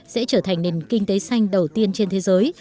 sẽ trở thành nền kinh tế xanh đầu tiên trên thế giới